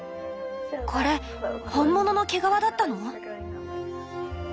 これ本物の毛皮だったの？